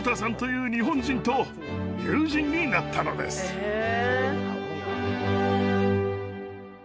へえ。